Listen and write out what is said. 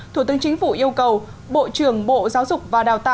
thủ tướng chính phủ yêu cầu bộ trưởng bộ giáo dục và đào tạo